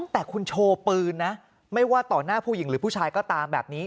แต่คุณโชว์ปืนนะไม่ว่าต่อหน้าผู้หญิงหรือผู้ชายก็ตามแบบนี้